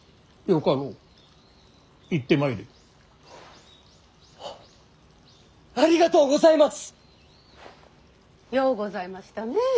ようございましたね